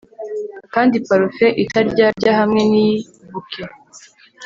Kandi parufe itaryarya hamwe niyi bouquet